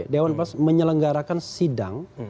dewan pengawas menyelenggarakan sidang